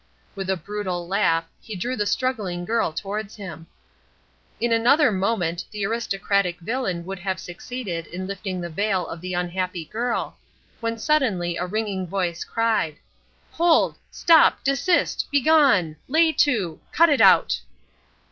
With a brutal laugh, he drew the struggling girl towards him. In another moment the aristocratic villain would have succeeded in lifting the veil of the unhappy girl, when suddenly a ringing voice cried, "Hold! stop! desist! begone! lay to! cut it out!"